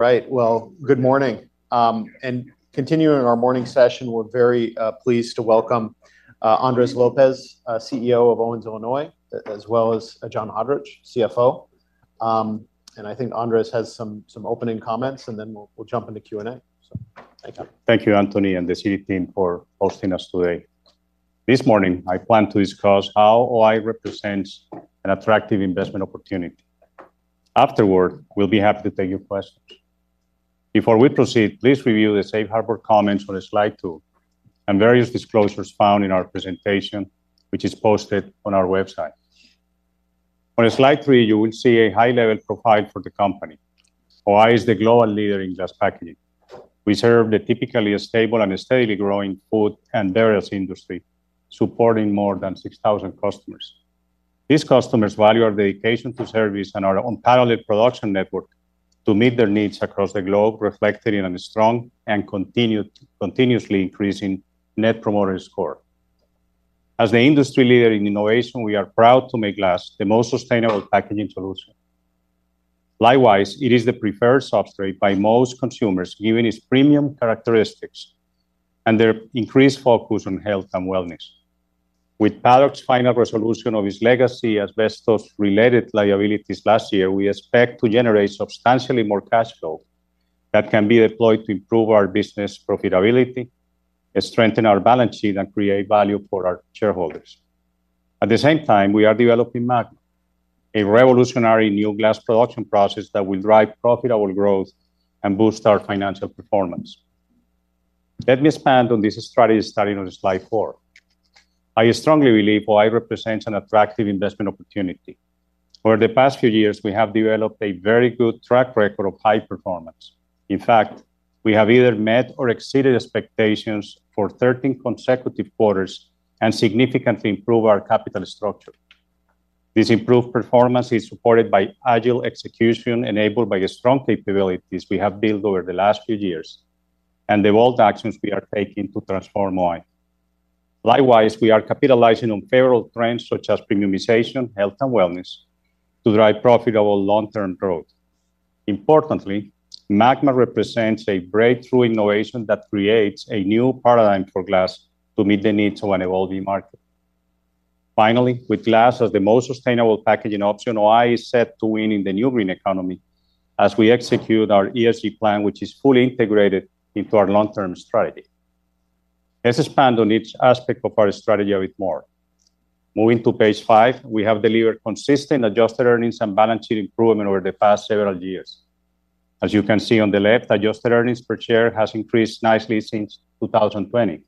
Right. Well, good morning. Continuing our morning session, we're very pleased to welcome Andres Lopez, CEO of Owens-Illinois, as well as John Haudrich, CFO. I think Andres has some opening comments, and then we'll jump into Q&A. Andres. Thank you, Anthony, and the Citi team for hosting us today. This morning, I plan to discuss how O-I represents an attractive investment opportunity. Afterward, we'll be happy to take your questions. Before we proceed, please review the safe harbor comments on slide two, and various disclosures found in our presentation, which is posted on our website. On slide three, you will see a high-level profile for the company. O-I is the global leader in glass packaging. We serve the typically stable and steadily growing food and beverage industry, supporting more than 6,000 customers. These customers value our dedication to service and our unparalleled production network to meet their needs across the globe, reflected in a strong and continuously increasing Net Promoter Score. As the industry leader in innovation, we are proud to make glass the most sustainable packaging solution. Likewise, it is the preferred substrate by most consumers, given its premium characteristics and their increased focus on health and wellness. With Paddock's final resolution of his legacy, asbestos-related liabilities last year, we expect to generate substantially more cash flow that can be deployed to improve our business profitability, and strengthen our balance sheet, and create value for our shareholders. At the same time, we are developing MAGMA, a revolutionary new glass production process that will drive profitable growth and boost our financial performance. Let me expand on this strategy, starting on slide four. I strongly believe O-I represents an attractive investment opportunity. Over the past few years, we have developed a very good track record of high performance. In fact, we have either met or exceeded expectations for 13 consecutive quarters, and significantly improved our capital structure. This improved performance is supported by agile execution, enabled by a strong capabilities we have built over the last few years, and the bold actions we are taking to transform O-I. Likewise, we are capitalizing on several trends, such as premiumization, health and wellness, to drive profitable long-term growth. Importantly, MAGMA represents a breakthrough innovation that creates a new paradigm for glass to meet the needs of an evolving market. Finally, with glass as the most sustainable packaging option, O-I is set to win in the new green economy as we execute our ESG plan, which is fully integrated into our long-term strategy. Let's expand on each aspect of our strategy a bit more. Moving to page five, we have delivered consistent adjusted earnings and balance sheet improvement over the past several years. As you can see on the left, adjusted earnings per share has increased nicely since 2020.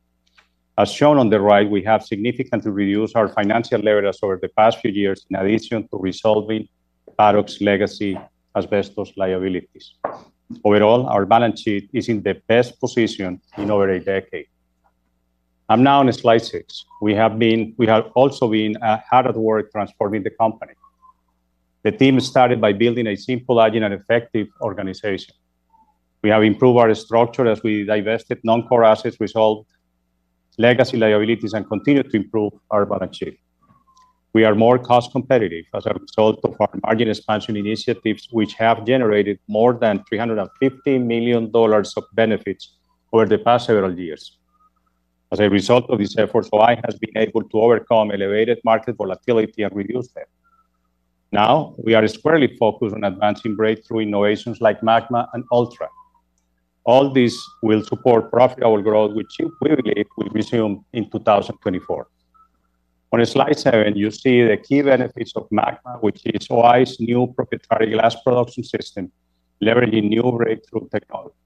As shown on the right, we have significantly reduced our financial leverage over the past few years, in addition to resolving Paddock's legacy asbestos liabilities. Overall, our balance sheet is in the best position in over a decade. I'm now on slide six. We have also been hard at work transforming the company. The team started by building a simple, agile, and effective organization. We have improved our structure as we divested non-core assets, resolved legacy liabilities, and continued to improve our balance sheet. We are more cost competitive as a result of our margin expansion initiatives, which have generated more than $350 million of benefits over the past several years. As a result of this effort, O-I has been able to overcome elevated market volatility and reduce debt. Now, we are squarely focused on advancing breakthrough innovations like MAGMA and Ultra. All this will support profitable growth, which we believe will resume in 2024. On slide seven, you see the key benefits of MAGMA, which is O-I's new proprietary glass production system, leveraging new breakthrough technology.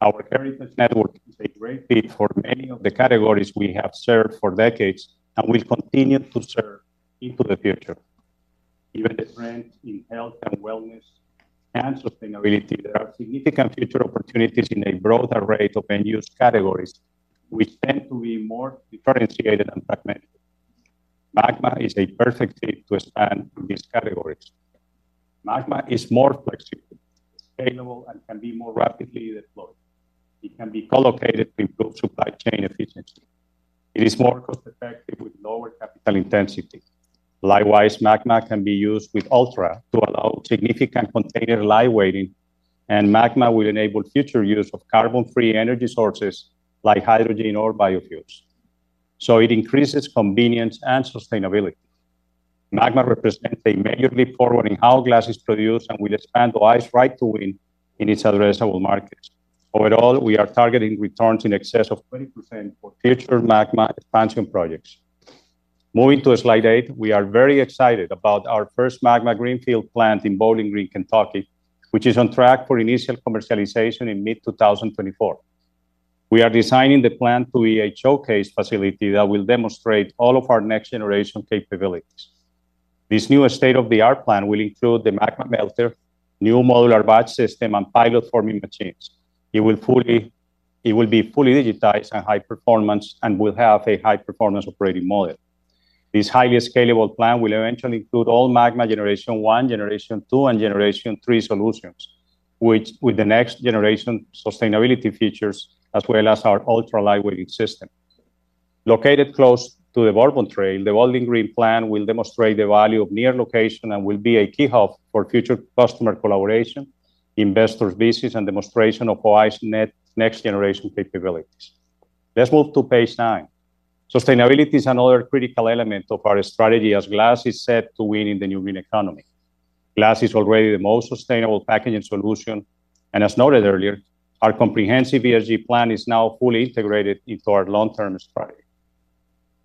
Our heritage network is a great fit for many of the categories we have served for decades, and will continue to serve into the future. Given the trend in health and wellness and sustainability, there are significant future opportunities in a broader array of end-use categories, which tend to be more differentiated and fragmented. MAGMA is a perfect fit to expand these categories. MAGMA is more flexible, scalable, and can be more rapidly deployed. It can be co-located to improve supply chain efficiency. It is more cost-effective with lower capital intensity. Likewise, MAGMA can be used with Ultra to allow significant container lightweighting, and MAGMA will enable future use of carbon-free energy sources, like hydrogen or biofuels. So it increases convenience and sustainability. MAGMA represents a major leap forward in how glass is produced, and will expand O-I's right to win in its addressable markets. Overall, we are targeting returns in excess of 20% for future MAGMA expansion projects. Moving to slide eight, we are very excited about our first MAGMA greenfield plant in Bowling Green, Kentucky, which is on track for initial commercialization in mid-2024. We are designing the plant to be a showcase facility that will demonstrate all of our next-generation capabilities. This new state-of-the-art plant will include the MAGMA melter, new modular batch system, and pilot forming machines. It will be fully digitized and high performance, and will have a high-performance operating model. This highly scalable plant will eventually include all MAGMA Generation One, Generation Two, and Generation Three solutions, which with the next-generation sustainability features, as well as our Ultra-lightweighting system. Located close to the Bourbon Trail, the Bowling Green plant will demonstrate the value of near location and will be a key hub for future customer collaboration, investor visits, and demonstration of O-I's next-generation capabilities. Let's move to page nine. Sustainability is another critical element of our strategy, as glass is set to win in the new green economy. Glass is already the most sustainable packaging solution, and as noted earlier, our comprehensive ESG plan is now fully integrated into our long-term strategy.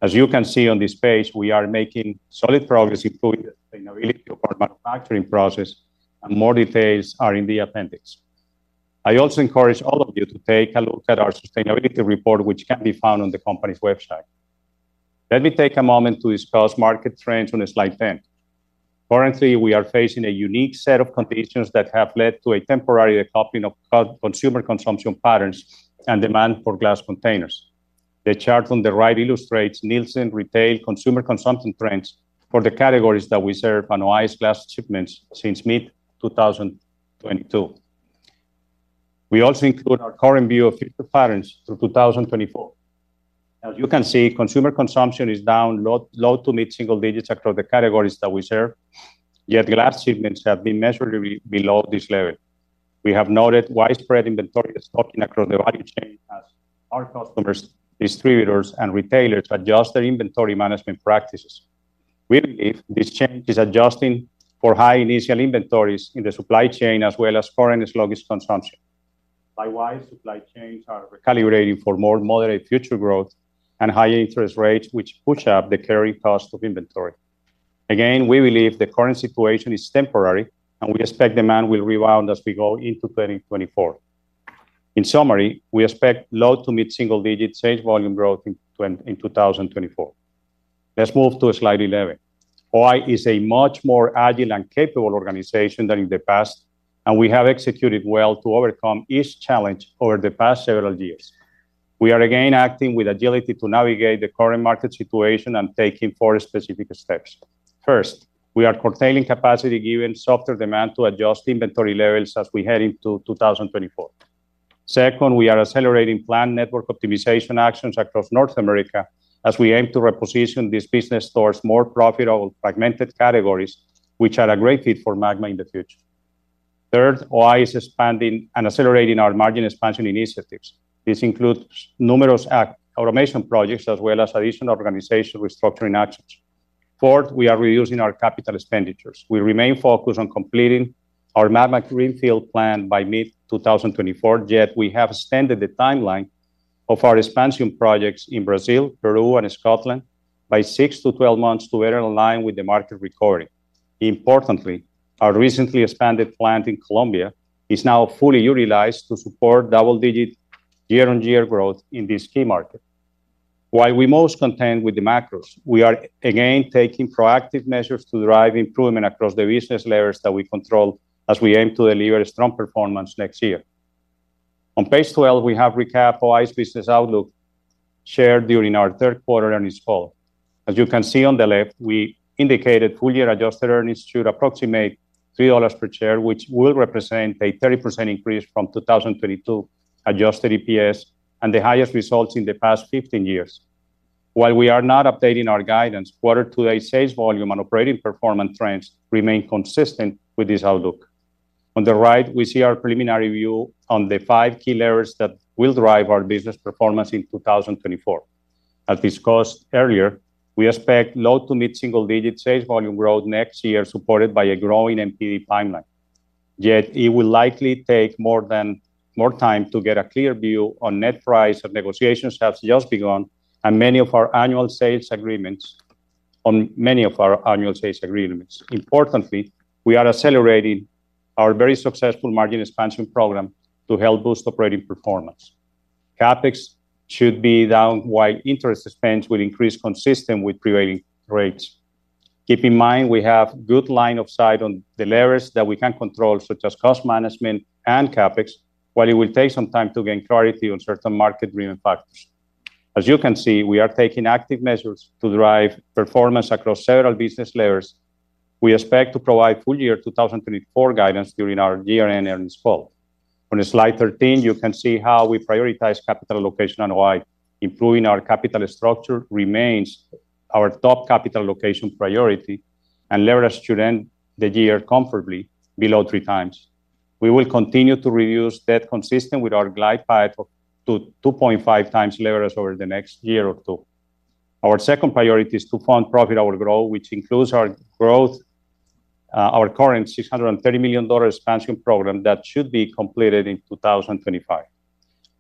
As you can see on this page, we are making solid progress improving the sustainability of our manufacturing process, and more details are in the appendix. I also encourage all of you to take a look at our sustainability report, which can be found on the company's website. Let me take a moment to discuss market trends on slide 10. Currently, we are facing a unique set of conditions that have led to a temporary decoupling of consumer consumption patterns and demand for glass containers. The chart on the right illustrates Nielsen retail consumer consumption trends for the categories that we serve, and O-I's glass shipments since mid-2022. We also include our current view of future patterns through 2024. As you can see, consumer consumption is down low to mid-single digits across the categories that we serve, yet glass shipments have been measured below this level. We have noted widespread inventory stocking across the value chain as our customers, distributors, and retailers adjust their inventory management practices. We believe this change is adjusting for high initial inventories in the supply chain, as well as for sluggish consumption. Worldwide, supply chains are recalibrating for more moderate future growth and high interest rates, which push up the carrying cost of inventory. Again, we believe the current situation is temporary, and we expect demand will rebound as we go into 2024. In summary, we expect low to mid-single-digit sales volume growth in 2024. Let's move to slide 11. O-I is a much more agile and capable organization than in the past, and we have executed well to overcome each challenge over the past several years. We are again acting with agility to navigate the current market situation and taking four specific steps. First, we are curtailing capacity given softer demand to adjust inventory levels as we head into 2024. Second, we are accelerating planned network optimization actions across North America as we aim to reposition this business towards more profitable, fragmented categories, which are a great fit for MAGMA in the future. Third, O-I is expanding and accelerating our margin expansion initiatives. This includes numerous automation projects, as well as additional organizational restructuring actions. Fourth, we are reducing our capital expenditures. We remain focused on completing our MAGMA greenfield plant by mid-2024, yet we have extended the timeline of our expansion projects in Brazil, Peru, and Scotland by 6-12 months to better align with the market recovery. Importantly, our recently expanded plant in Colombia is now fully utilized to support double-digit year-on-year growth in this key market. While we must contend with the macros, we are again taking proactive measures to drive improvement across the business layers that we control as we aim to deliver a strong performance next year. On page 12, we have recapped O-I's business outlook shared during our third quarter earnings call. As you can see on the left, we indicated full-year adjusted earnings should approximate $3 per share, which will represent a 30% increase from 2022 Adjusted EPS and the highest results in the past 15 years. While we are not updating our guidance, quarter-to-date sales volume and operating performance trends remain consistent with this outlook. On the right, we see our preliminary view on the five key levers that will drive our business performance in 2024. As discussed earlier, we expect low- to mid-single-digit sales volume growth next year, supported by a growing NPD pipeline. Yet, it will likely take more time to get a clear view on net price, as negotiation has just begun, and many of our annual sales agreements. Importantly, we are accelerating our very successful margin expansion program to help boost operating performance. CapEx should be down, while interest expense will increase consistent with prevailing rates. Keep in mind, we have good line of sight on the levers that we can control, such as cost management and CapEx, while it will take some time to gain clarity on certain market driven factors. As you can see, we are taking active measures to drive performance across several business layers. We expect to provide full year 2024 guidance during our year-end earnings call. On slide 13, you can see how we prioritize capital allocation and why. Improving our capital structure remains our top capital allocation priority, and leverage should end the year comfortably below 3x. We will continue to reduce debt consistent with our glide path to 2.5x leverage over the next year or two. Our second priority is to fund profitable growth, which includes our growth, our current $630 million expansion program that should be completed in 2025.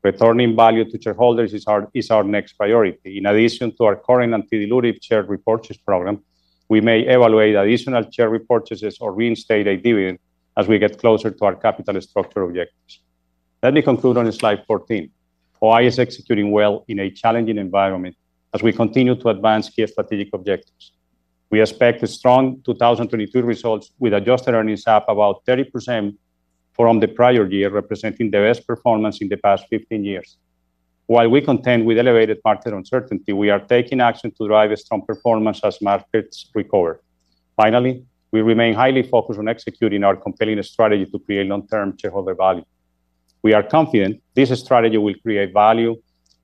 Returning value to shareholders is our, is our next priority. In addition to our current and dilutive share repurchase program, we may evaluate additional share repurchases or reinstate a dividend as we get closer to our capital structure objectives. Let me conclude on slide 14. O-I is executing well in a challenging environment as we continue to advance key strategic objectives. We expect a strong 2022 results, with adjusted earnings up about 30% from the prior year, representing the best performance in the past 15 years. While we contend with elevated market uncertainty, we are taking action to drive a strong performance as markets recover. Finally, we remain highly focused on executing our compelling strategy to create long-term shareholder value. We are confident this strategy will create value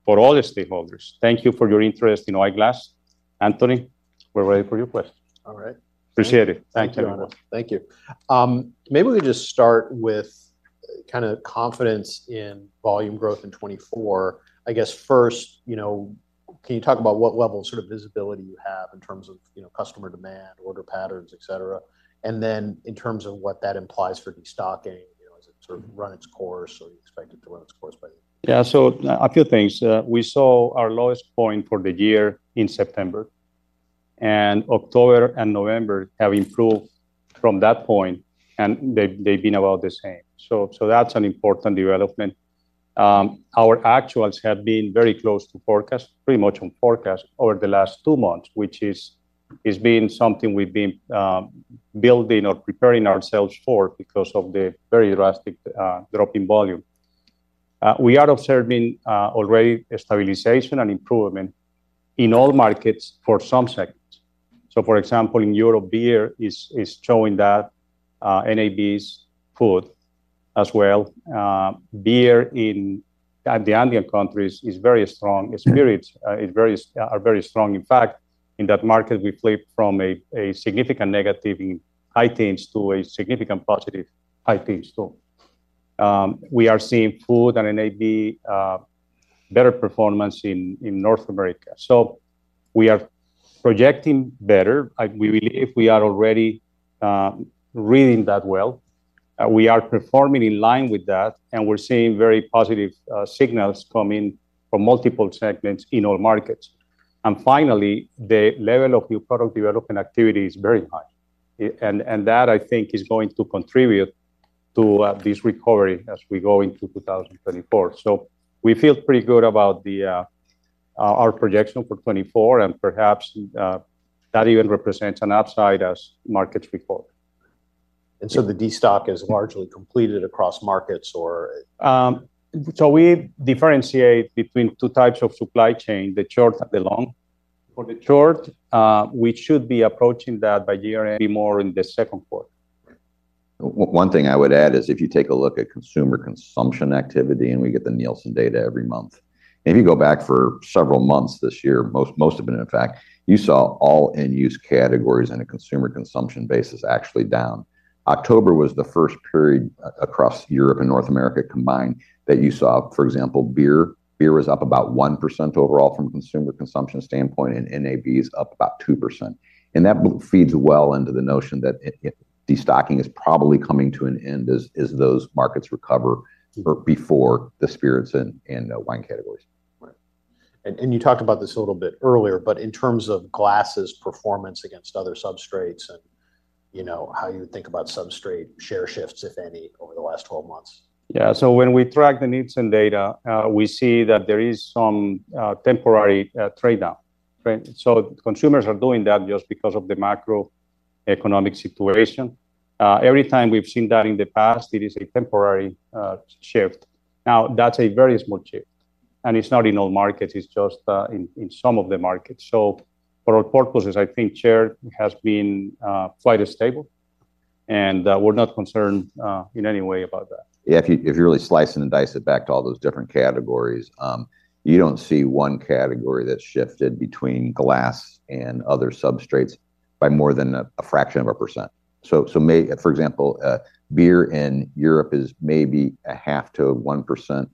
for all the stakeholders. Thank you for your interest in O-I Glass. Anthony, we're ready for your questions. All right. Appreciate it. Thank you. Thank you. Maybe we could just start with, kind of, confidence in volume growth in 2024. I guess, first, you know, can you talk about what level of sort of visibility you have in terms of, you know, customer demand, order patterns, et cetera? Then in terms of what that implies for destocking, you know, has it sort of run its course, or you expect it to run its course by the end? Yeah, so a few things. We saw our lowest point for the year in September, and October and November have improved from that point, and they've been about the same. So that's an important development. Our actuals have been very close to forecast, pretty much on forecast, over the last two months, which is being something we've been building or preparing ourselves for because of the very drastic drop in volume. We are observing already a stabilization and improvement in all markets for some segments. So, for example, in Europe, beer is showing that, NABs food as well. Beer in the Andean countries is very strong. Spirits are very strong. In fact, in that market, we flipped from a significant negative in high teens to a significant positive high teens. So, we are seeing food and NAB better performance in North America. We are projecting better. If we are already reading that well, we are performing in line with that, and we're seeing very positive signals coming from multiple segments in all markets. Finally, the level of new product development activity is very high. That, I think, is going to contribute to this recovery as we go into 2024. So we feel pretty good about our projection for 2024, and perhaps that even represents an upside as markets recover. The destock is largely completed across markets or- So we differentiate between two types of supply chain, the short and the long. For the short, we should be approaching that by year-end, more in the second quarter. One thing I would add is, if you take a look at consumer consumption activity, and we get the Nielsen data every month, if you go back for several months this year, most of it, in fact, you saw all end-use categories on a consumer consumption basis actually down. October was the first period across Europe and North America combined, that you saw, for example, beer. Beer was up about 1% overall from a consumer consumption standpoint, and NAB is up about 2% and that feeds well into the notion that destocking is probably coming to an end as those markets recover or before the spirits and wine categories. Right, and you talked about this a little bit earlier, but in terms of glass's performance against other substrates and, you know, how you think about substrate share shifts, if any, over the last 12 months? Yeah. So when we track the Nielsen data, we see that there is some temporary trade-down, right? So consumers are doing that just because of the macroeconomic situation. Every time we've seen that in the past, it is a temporary shift. Now, that's a very small shift, and it's not in all markets; it's just in some of the markets. So for our purposes, I think share has been quite stable, and we're not concerned in any way about that. Yeah, if you really slice and dice it back to all those different categories, you don't see one category that's shifted between glass and other substrates by more than a fraction of a percent. So, for example, beer in Europe is maybe a 0.5%-1%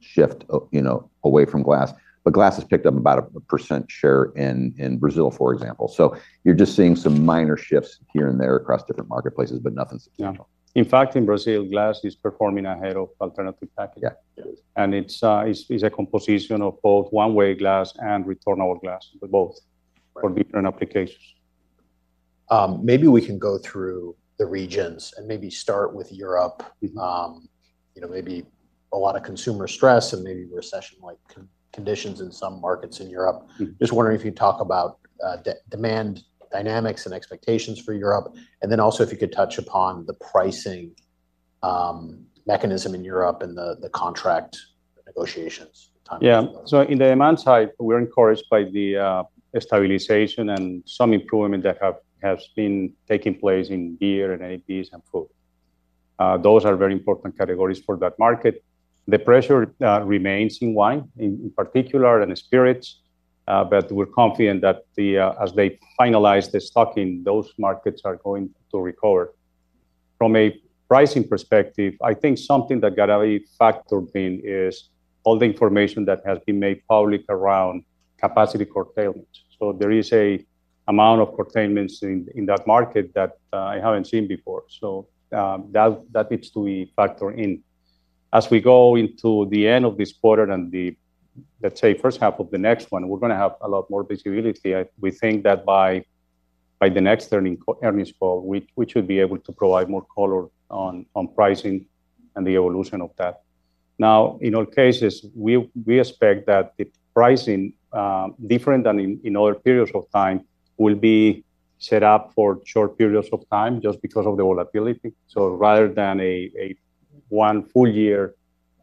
shift, you know, away from glass, but glass has picked up about 1% share in Brazil, for example. So you're just seeing some minor shifts here and there across different marketplaces, but nothing substantial. Yeah. In fact, in Brazil, glass is performing ahead of alternative packaging. Yeah. It's a composition of both one-way glass and returnable glass, but both- Right... for different applications. Maybe we can go through the regions and maybe start with Europe. You know, maybe a lot of consumer stress and maybe recession-like conditions in some markets in Europe. Just wondering if you'd talk about demand dynamics and expectations for Europe, and then also if you could touch upon the pricing mechanism in Europe and the contract negotiations timelines. Yeah. So in the demand side, we're encouraged by the stabilization and some improvement that has been taking place in beer, and NABs, and food. Those are very important categories for that market. The pressure remains in wine, in particular, and in spirits, but we're confident that as they finalize the stocking, those markets are going to recover. From a pricing perspective, I think something that got to factor in is all the information that has been made public around capacity curtailment. So there is an amount of curtailments in that market that I haven't seen before, so that needs to be factored in. As we go into the end of this quarter and let's say, first half of the next one, we're gonna have a lot more visibility. We think that by the next earnings call, we should be able to provide more color on pricing and the evolution of that. Now, in all cases, we expect that the pricing, different than in other periods of time, will be set up for short periods of time just because of the volatility. So rather than a one full year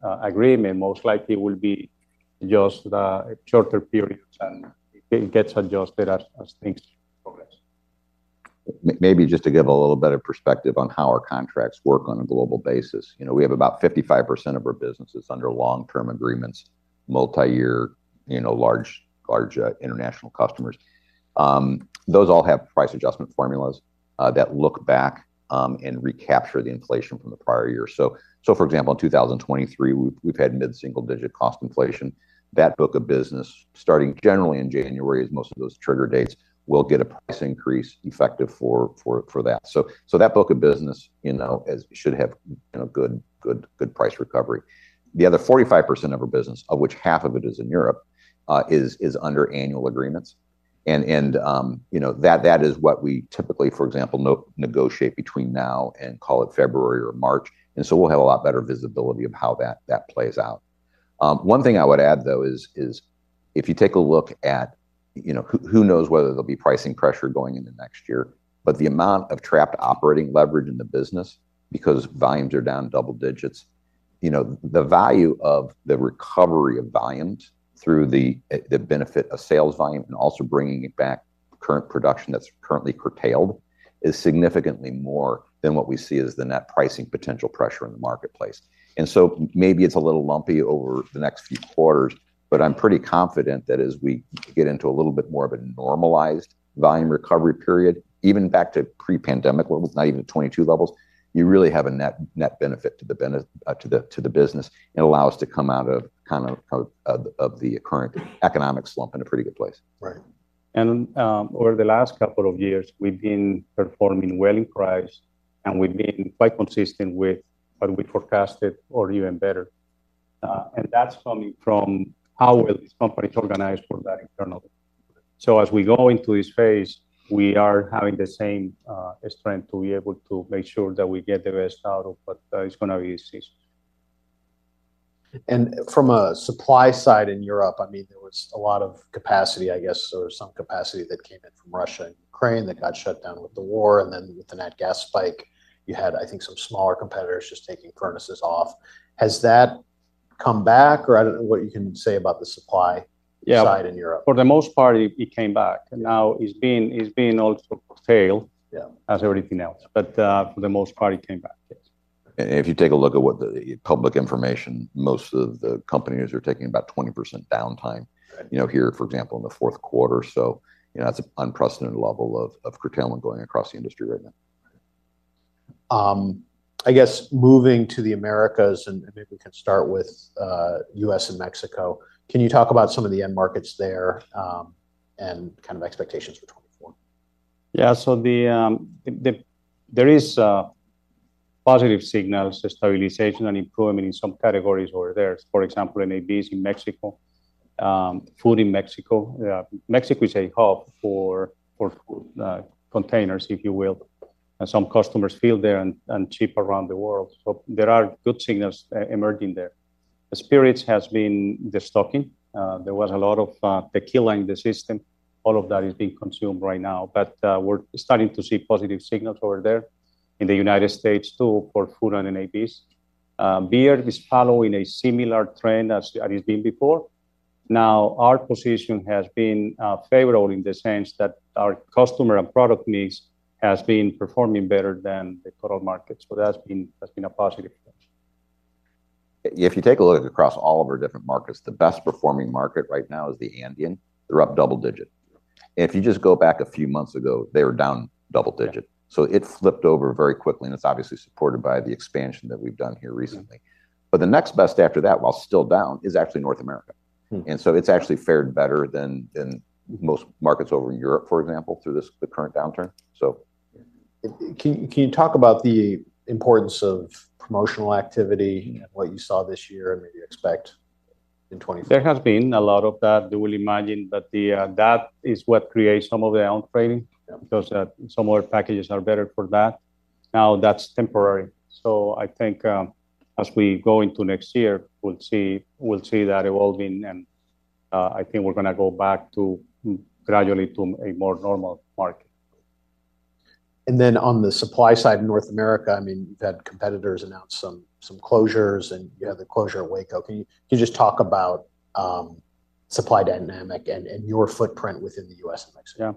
agreement, most likely will be just shorter periods, and it gets adjusted as things progress. Maybe just to give a little better perspective on how our contracts work on a global basis. You know, we have about 55% of our business is under long-term agreements, multi-year, you know, large international customers. Those all have price adjustment formulas that look back and recapture the inflation from the prior year. So for example, in 2023, we've had mid-single digit cost inflation. That book of business, starting generally in January, as most of those trigger dates, will get a price increase effective for that. So that book of business, you know, should have, you know, good price recovery. The other 45% of our business, of which half of it is in Europe, is under annual agreements. You know, that is what we typically, for example, negotiate between now and call it February or March. So we'll have a lot better visibility of how that plays out. One thing I would add, though, is if you take a look at... You know, who knows whether there'll be pricing pressure going into next year? But the amount of trapped operating leverage in the business, because volumes are down double digits, you know, the value of the recovery of volumes through the benefit of sales volume and also bringing it back current production that's currently curtailed, is significantly more than what we see as the net pricing potential pressure in the marketplace. So maybe it's a little lumpy over the next few quarters, but I'm pretty confident that as we get into a little bit more of a normalized volume recovery period, even back to pre-pandemic levels, not even 2022 levels, you really have a net, net benefit to the business. It allows to come out of, kind of, the current economic slump in a pretty good place. Over the last couple of years, we've been performing well in price, and we've been quite consistent with what we forecasted or even better and that's coming from how well this company is organized for that internally. So as we go into this phase, we are having the same, strength to be able to make sure that we get the best out of what is going to be this. From a supply side in Europe, I mean, there was a lot of capacity, I guess, or some capacity that came in from Russia and Ukraine that got shut down with the war and then with the nat gas spike, you had, I think, some smaller competitors just taking furnaces off. Has that come back or I don't know what you can say about the supply- Yeah -side in Europe. For the most part, it came back. Now, it's being also curtailed as everything else. But, for the most part, it came back, yes. If you take a look at what the public information, most of the companies are taking about 20% downtime. Right. You know, here, for example, in the fourth quarter. So, you know, that's an unprecedented level of curtailment going across the industry right now. I guess moving to the Americas, and maybe we can start with U.S. and Mexico. Can you talk about some of the end markets there, and kind of expectations for 2024? Yeah. So there is positive signals, stabilization and improvement in some categories over there. For example, NABs in Mexico, food in Mexico. Mexico is a hub for containers, if you will, and some customers feel they're cheap around the world. So there are good signals emerging there. Spirits has been destocking. There was a lot of tequila in the system. All of that is being consumed right now, but we're starting to see positive signals over there. In the United States, too, for food and NABs. Beer is following a similar trend as it's been before. Now, our position has been favorable in the sense that our customer and product mix has been performing better than the total markets. So that's been a positive effect. If you take a look across all of our different markets, the best performing market right now is the Andean. They're up double digit. If you just go back a few months ago, they were down double digit. So it flipped over very quickly, and it's obviously supported by the expansion that we've done here recently. But the next best after that, while still down, is actually North America. So it's actually fared better than most markets over in Europe, for example, through the current downturn. Yeah. Can you talk about the importance of promotional activity- Yeah What you saw this year, and what you expect in 2024? There has been a lot of that. You will imagine that. That is what creates some of the downtrading- Yeah Because some more packages are better for that. Now, that's temporary. So I think, as we go into next year, we'll see, we'll see that evolving, and I think we're gonna go back to gradually to a more normal market. Then on the supply side in North America, I mean, you've had competitors announce some closures, and, you know, the closure of Waco. Can you just talk about supply dynamic and your footprint within the U.S. and Mexico? Yeah.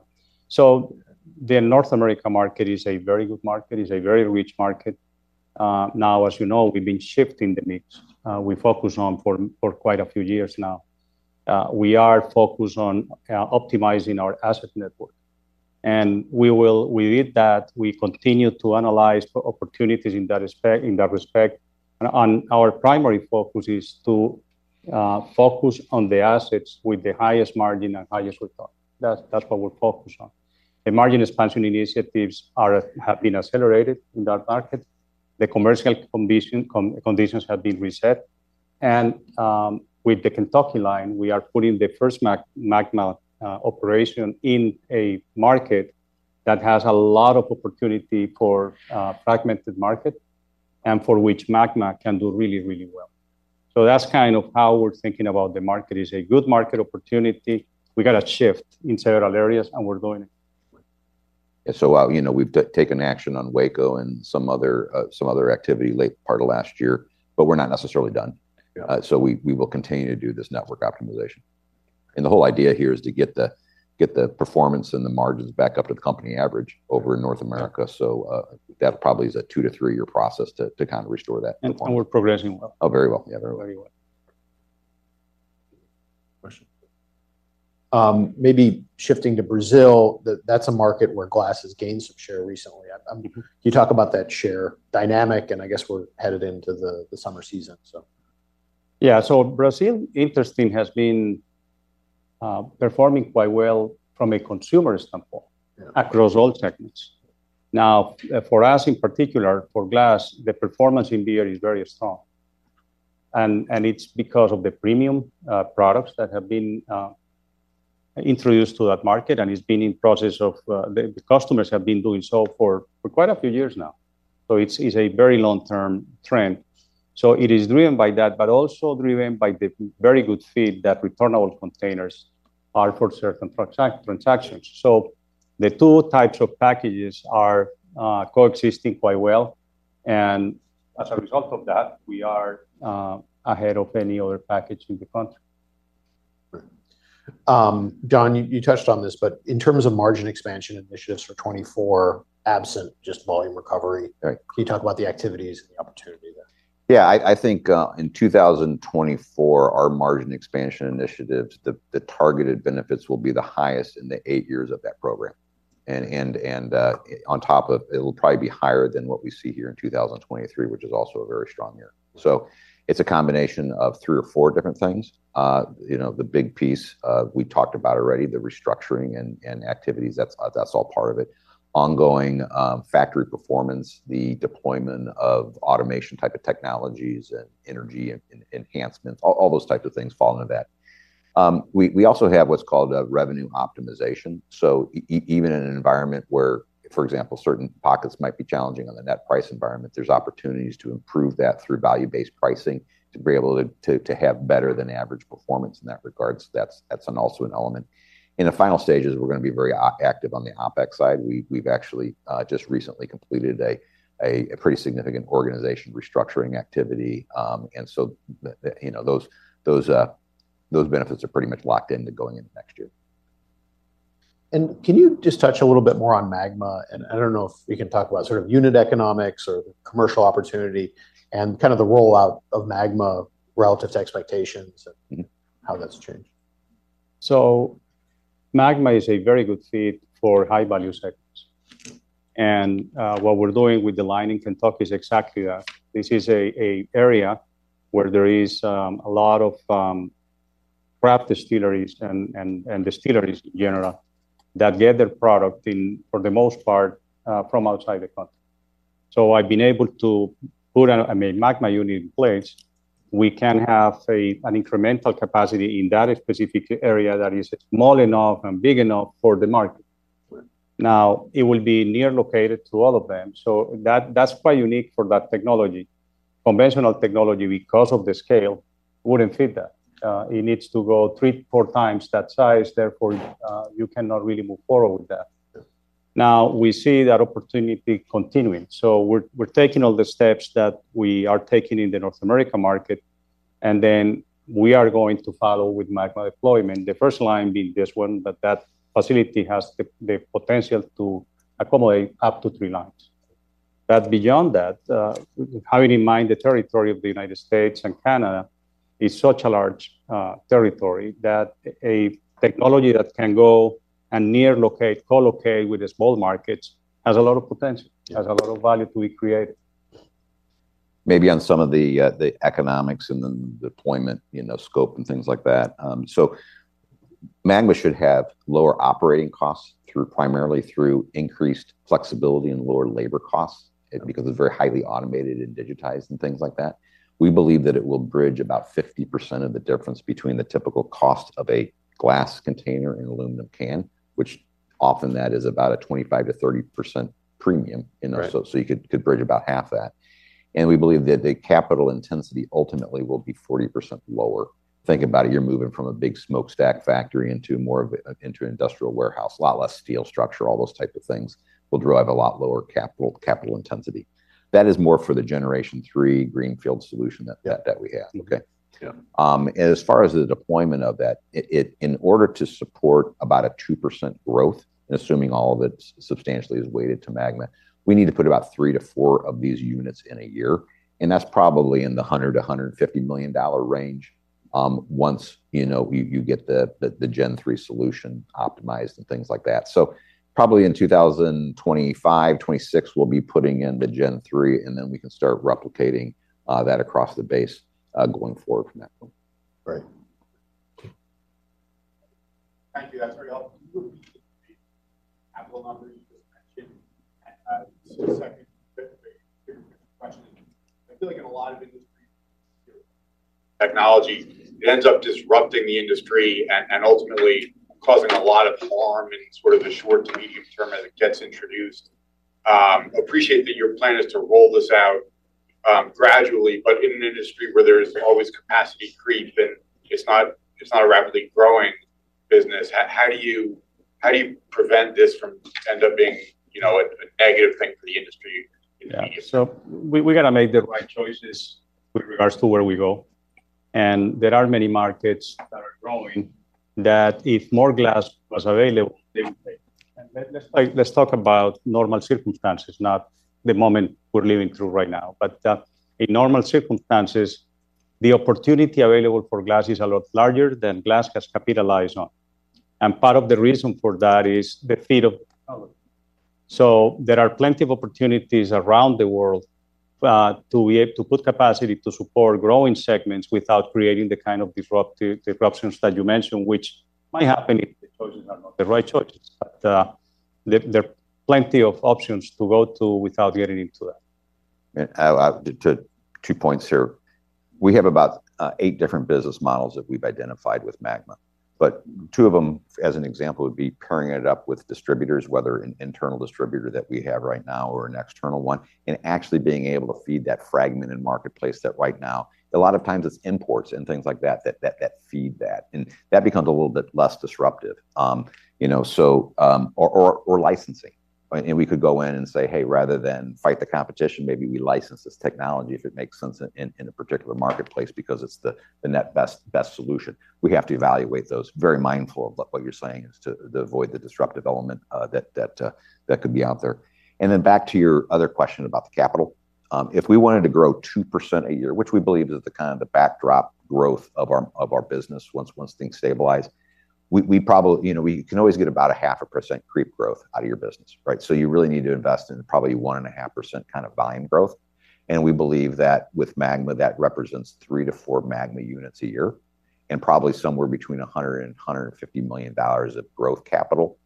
So the North America market is a very good market, is a very rich market. Now, as you know, we've been shifting the mix. We focus on for quite a few years now. We are focused on optimizing our asset network, and we will with that, we continue to analyze for opportunities in that respect. Our primary focus is to focus on the assets with the highest margin and highest return. That's what we're focused on. The margin expansion initiatives have been accelerated in that market. The commercial conditions have been reset and with the Kentucky line, we are putting the first MAGMA operation in a market that has a lot of opportunity for fragmented market, and for which MAGMA can do really, really well. So that's kind of how we're thinking about the market. It's a good market opportunity. We got to shift in several areas, and we're going. So, you know, we've taken action on Waco and some other activity late part of last year, but we're not necessarily done. Yeah. So we will continue to do this network optimization, and the whole idea here is to get the performance and the margins back up to the company average over in North America. So, that probably is a 2-3-year process to kind of restore that. We're progressing well. Oh, very well. Yeah, very well. Very well. Question. Maybe shifting to Brazil, that, that's a market where glass has gained some share recently. Can you talk about that share dynamic and I guess we're headed into the summer season, so. Yeah. So Brazil, interesting, has been performing quite well from a consumer standpoint across all segments. Now, for us, in particular, for glass, the performance in beer is very strong, and it's because of the premium, products that have been, introduced to that market, and it's been in process of... the customers have been doing so for, for quite a few years now. So it's, it's a very long-term trend. So it is driven by that, but also driven by the very good fit that returnable containers are for certain transactions. So the two types of packages are, coexisting quite well, and as a result of that, we are, ahead of any other package in the country. John, you touched on this, but in terms of margin expansion initiatives for 2024, absent just volume recovery- Right. Can you talk about the activities and the opportunity there? Yeah, I think in 2024, our margin expansion initiatives, the targeted benefits will be the highest in the eight years of that program. On top of it, it'll probably be higher than what we see here in 2023, which is also a very strong year. So it's a combination of three or four different things. You know, the big piece we talked about already, the restructuring and activities, that's all part of it. Ongoing factory performance, the deployment of automation type of technologies and energy and enhancements, all those types of things fall into that. We also have what's called a revenue optimization. So even in an environment where, for example, certain pockets might be challenging on the net price environment, there's opportunities to improve that through value-based pricing, to be able to, to have better than average performance in that regard. So that's an also an element. In the final stages, we're gonna be very active on the OpEx side. We've actually just recently completed a pretty significant organization restructuring activity and so the, you know, those benefits are pretty much locked in to going into next year. Can you just touch a little bit more on MAGMA? I don't know if we can talk about sort of unit economics or commercial opportunity and kind of the rollout of MAGMA relative to expectations and how that's changed? So MAGMA is a very good fit for high-value sectors and what we're doing with the line in Kentucky is exactly that. This is an area where there is a lot of craft distilleries and distilleries in general that get their product in, for the most part, from outside the country. So I've been able to put a MAGMA unit in place. We can have an incremental capacity in that specific area that is small enough and big enough for the market. Right. Now, it will be near located to all of them, so that, that's quite unique for that technology. Conventional technology, because of the scale, wouldn't fit that. It needs to go 3x-4x that size, therefore, you cannot really move forward with that. Yes. Now, we see that opportunity continuing, so we're taking all the steps that we are taking in the North America market, and then we are going to follow with MAGMA deployment, the first line being this one, but that facility has the potential to accommodate up to three lines. But beyond that, having in mind the territory of the United States and Canada is such a large territory, that a technology that can go and near locate, collocate with the small markets, has a lot of potential- Yes... has a lot of value to be created. Maybe on some of the economics and the deployment, you know, scope and things like that. So MAGMA should have lower operating costs through, primarily through increased flexibility and lower labor costs because it's very highly automated and digitized, and things like that. We believe that it will bridge about 50% of the difference between the typical cost of a glass container and aluminum can, which often that is about a 25%-30% premium in our so you could bridge about half that and we believe that the capital intensity ultimately will be 40% lower. Think about it, you're moving from a big smokestack factory into more of an industrial warehouse. A lot less steel structure, all those type of things, will drive a lot lower capital intensity. That is more for the Generation Three greenfield solution that that we have. Okay. Yeah. As far as the deployment of that, in order to support about a 2% growth, assuming all of it's substantially is weighted to MAGMA, we need to put about 3-4 of these units in a year, and that's probably in the $100-$150 million range, once, you know, you get the Gen 3 solution optimized and things like that. So probably in 2025, 2026, we'll be putting in the Gen 3, and then we can start replicating that across the base, going forward from that point. Right. Thank you. That's very helpful. Capital numbers you just mentioned, just a second question. I feel like in a lot of industries, technology, it ends up disrupting the industry and ultimately causing a lot of harm in sort of the short to medium term as it gets introduced. Appreciate that your plan is to roll this out gradually, but in an industry where there is always capacity creep, and it's not a rapidly growing business, how do you prevent this from end up being, you know, a negative thing for the industry in the future? Yeah. So we gotta make the right choices with regards to where we go, and there are many markets that are growing, that if more glass was available, they would take it and let's talk about normal circumstances, not the moment we're living through right now. But in normal circumstances, the opportunity available for glass is a lot larger than glass has capitalized on and part of the reason for that is the fit of color. So there are plenty of opportunities around the world to be able to put capacity to support growing segments without creating the kind of disruptive disruptions that you mentioned, which might happen if the choices are not the right choices. But there are plenty of options to go to without getting into that. Two points here. We have about eight different business models that we've identified with Magma, but two of them, as an example, would be pairing it up with distributors, whether an internal distributor that we have right now or an external one, and actually being able to feed that fragmented marketplace, that right now a lot of times it's imports and things like that, that feed that, and that becomes a little bit less disruptive. You know, so, or licensing, right? We could go in and say, "Hey, rather than fight the competition, maybe we license this technology if it makes sense in a particular marketplace because it's the net best solution." We have to evaluate those. Very mindful of what you're saying is to avoid the disruptive element that could be out there. Then back to your other question about the capital. If we wanted to grow 2% a year, which we believe is the kind of the backdrop growth of our business, once things stabilize, we probably. You know, we can always get about a 0.5% creep growth out of your business, right? So you really need to invest in probably 1.5% kind of volume growth and we believe that with Magma, that represents 3-4 Magma units a year, and probably somewhere between $100 million and $150 million of growth capital.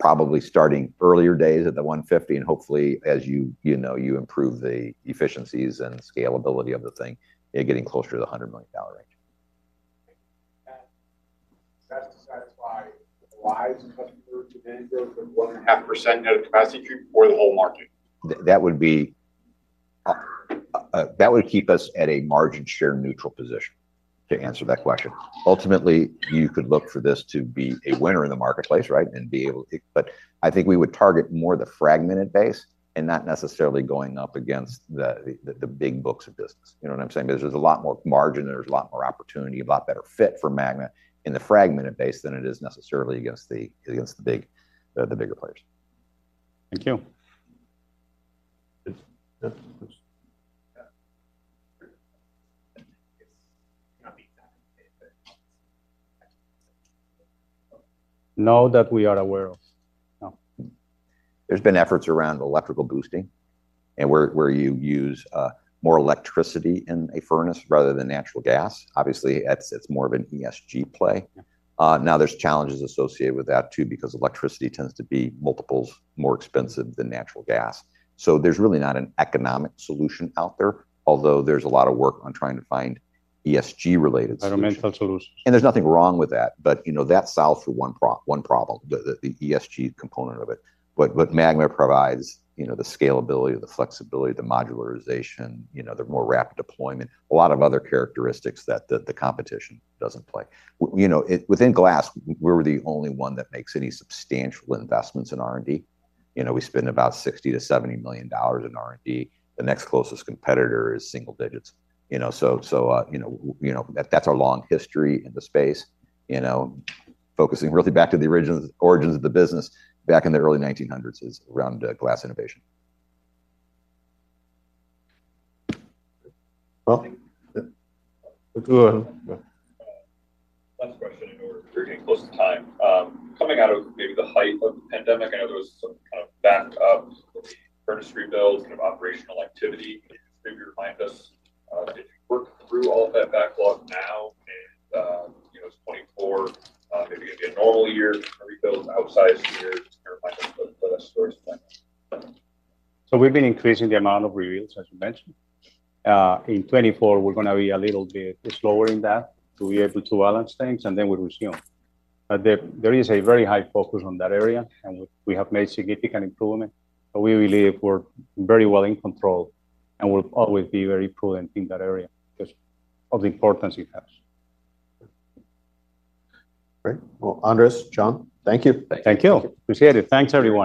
Probably starting earlier days at the 150, and hopefully, as you know, you improve the efficiencies and scalability of the thing, you're getting closer to the $100 million range. That's to satisfy lives coming through to then build 1.5% of capacity for the whole market? That would be, that would keep us at a margin share neutral position, to answer that question. Ultimately, you could look for this to be a winner in the marketplace, right, and be able to... But I think we would target more the fragmented base and not necessarily going up against the big books of business. You know what I'm saying? There's a lot more margin, there's a lot more opportunity, a lot better fit for MAGMA in the fragmented base than it is necessarily against the bigger players. Thank you. It's, yeah. It's not to be done, but. Not that we are aware of, no. There's been efforts around electrical boosting, and where you use more electricity in a furnace rather than natural gas. Obviously, it's more of an ESG play. Now, there's challenges associated with that too, because electricity tends to be multiples more expensive than natural gas. So there's really not an economic solution out there, although there's a lot of work on trying to find ESG-related solutions. Environmental solutions. There's nothing wrong with that, but, you know, that solves for one problem, the ESG component of it. But MAGMA provides, you know, the scalability, the flexibility, the modularization, you know, the more rapid deployment, a lot of other characteristics that the competition doesn't play. You know, it's within glass, we're the only one that makes any substantial investments in R&D. You know, we spend about $60 million-$70 million in R&D. The next closest competitor is single digits. You know, so, you know, that's our long history in the space. You know, focusing really back to the origins of the business back in the early 1900s is around glass innovation. Well, go ahead. Last question, and we're getting close to time. Coming out of maybe the height of the pandemic, I know there was some kind of backlog, furnace rebuild, kind of operational activity in your plants. Did you work through all of that backlog now, and, you know, 2024, maybe a normal year, rebuild an outsized year for the O-I plant? So we've been increasing the amount of reveals, as you mentioned. In 2024, we're gonna be a little bit slower in that to be able to balance things, and then we'll resume. But there is a very high focus on that area, and we have made significant improvement. But we believe we're very well in control, and we'll always be very prudent in that area because of the importance it has. Great. Well, Andres, John, thank you. Thank you. Appreciate it. Thanks, everyone.